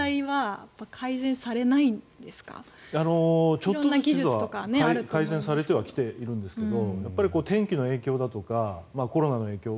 ちょっとずつ改善されてきてはいるんですが天気の影響とかコロナの影響